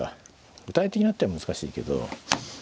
具体的な手は難しいけど。